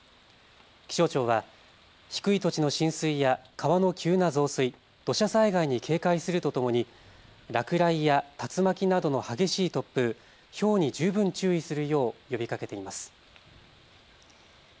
気象庁は低い土地の浸水や川の急な増水、土砂災害に警戒するとともに落雷や竜巻などの激しい突風、ひょうに十分注意するよう呼びかけています。